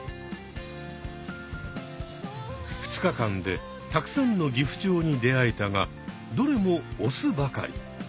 ２日間でたくさんのギフチョウに出会えたがどれもオスばかり。